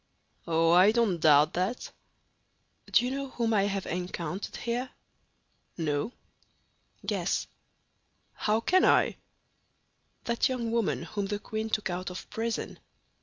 "Oh, I don't doubt that." "Do you know whom I have encountered here?" "No." "Guess." "How can I?" "That young woman whom the queen took out of prison."